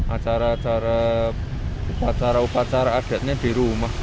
acara acara upacara upacara adatnya di rumah